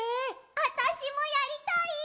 あたしもやりたい！